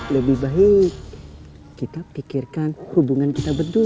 lebih baik kita pikirkan hubungan kita berdua